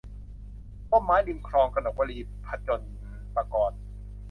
ร่มไม้ริมคลอง - กนกวลี พจนปกรณ์